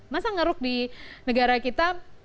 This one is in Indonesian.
masa ngeruk di negara kita